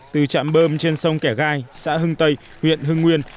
từ trạm bơm trên sông kẻ gai xã hưng tây huyện hưng nguyên